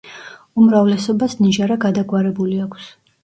უმრავლესობას ნიჟარა გადაგვარებული აქვს.